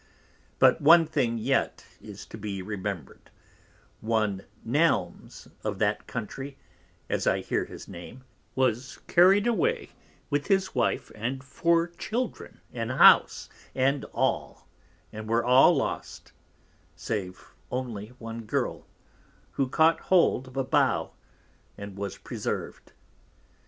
But one thing yet is to be remembred, one Nelms of that Country, as I hear his Name, was carried away with his Wife and 4 Children, and House and all, and were all lost, save only one Girl, who caught hold of a Bough, and was preserved.